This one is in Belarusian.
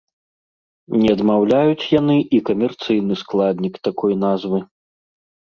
Не адмаўляюць яны і камерцыйны складнік такой назвы.